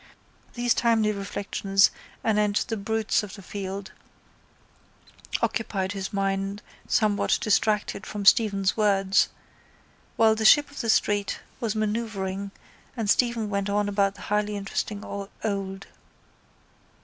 These timely reflections anent the brutes of the field occupied his mind somewhat distracted from Stephen's words while the ship of the street was manœuvring and Stephen went on about the highly interesting old.